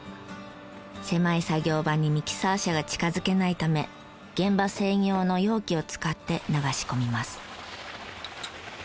狭い作業場にミキサー車が近づけないため現場専用の容器を使って流し込みます。